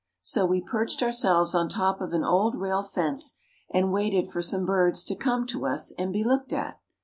So we perched ourselves on top of an old rail fence, and waited for some birds to come to us and be looked at.